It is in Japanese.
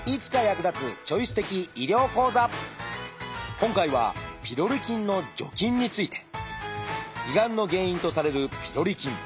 今回はピロリ菌の除菌について。胃がんの原因とされるピロリ菌。